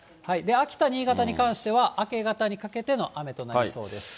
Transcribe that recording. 秋田、新潟に関しては明け方にかけての雨となりそうです。